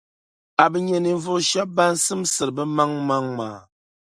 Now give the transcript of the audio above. A bi nya ninvuɣu shεba ban simsiri bɛ maŋ’ maa.